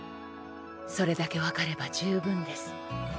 それだけ分かれば十分です。